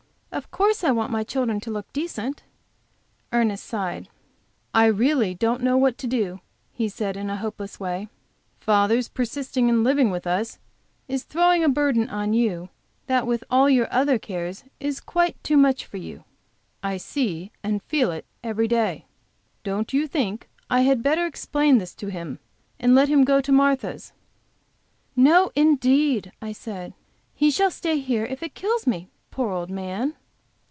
"Of course I want my children to look decent." Ernest sighed. "I really don't know what to do," he said, in a hopeless way. "Father's persisting in living with us is throwing a burden on you, that with all your other cares is quite too much for you. I see and feel it every day. Don't you think I had better explain this to him and let him go to Martha's?" "No, indeed!" I said. "He shall stay here if it kills me, poor old man!"